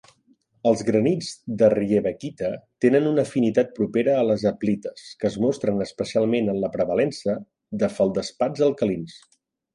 Els granits de riebeckita tenen una afinitat propera a les aplites, que es mostren especialment en la prevalença de feldespats alcalins.